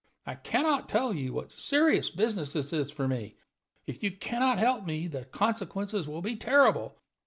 I can not tell you what a serious business this is for me. If you can not help me, the consequences will be terrible.